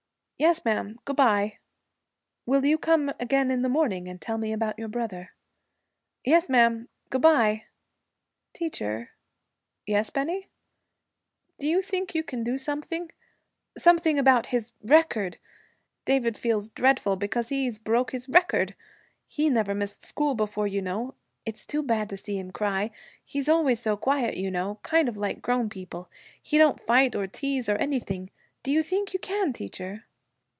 'Yes, ma'am. Good bye.' 'Will you come again in the morning and tell me about your brother?' 'Yes, ma'am. Good bye. Teacher.' 'Yes, Bennie?' 'Do you think you can do something something about his record? David feels dreadful because he's broke his record. He never missed school before, you know. It's it's too bad to see him cry. He's always so quiet, you know, kind of like grown people. He don't fight or tease or anything. Do you think you can, teacher?'